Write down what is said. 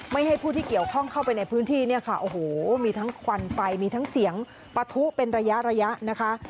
ให้ผู้ที่เกี่ยวข้องเข้าไปในพื้นที่เนี่ยค่ะโอ้โหมีทั้งควันไฟมีทั้งเสียงปะทุเป็นระยะระยะนะคะ